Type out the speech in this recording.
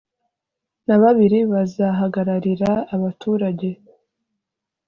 na babiri bazahagararira abaturage